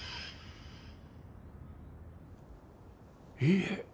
いいえ。